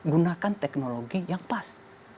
gunakan teknologi yang pas